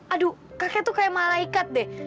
aduh kakek tuh kayak malaikat deh